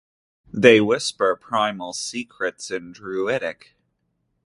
They whisper primal secrets in Druidic.